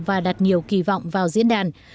và đặt nhiều kỳ vọng vào diễn đàn